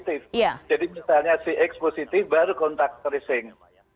jadi misalnya si x positif baru kontak tracing